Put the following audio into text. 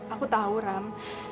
aku tahu ram